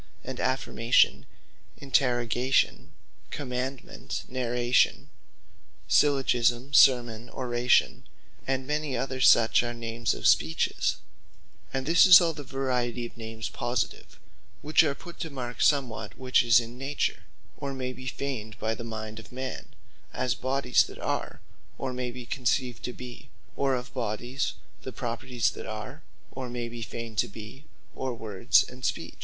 And Affirmation, Interrogation, Commandement, Narration, Syllogisme, Sermon, Oration, and many other such, are names of Speeches. Use Of Names Positive And this is all the variety of Names Positive; which are put to mark somewhat which is in Nature, or may be feigned by the mind of man, as Bodies that are, or may be conceived to be; or of bodies, the Properties that are, or may be feigned to be; or Words and Speech.